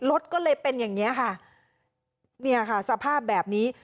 รถก็เลยเป็นอย่างนี้ค่ะสภาพแบบนี้